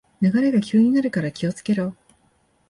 流れが急になるから気をつけろ